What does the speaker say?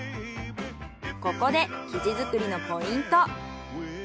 ここで生地作りのポイント。